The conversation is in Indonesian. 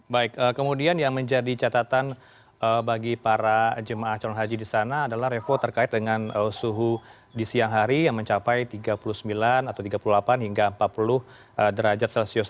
baik kemudian yang menjadi catatan bagi para jemaah calon haji di sana adalah revo terkait dengan suhu di siang hari yang mencapai tiga puluh sembilan atau tiga puluh delapan hingga empat puluh derajat celcius